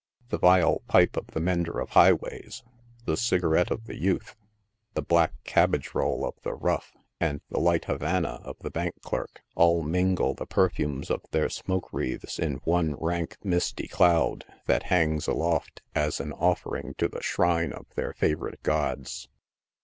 The vile pipe of the mender of highways, the cigarette of the youth, the black cabbage roll of the rough and the light Havana of the bank clerk, all mingle the perfumes of their smoke wreaths in one rank, misty cloud, that hangs aloft as an offering to the shrine of their favorite gods.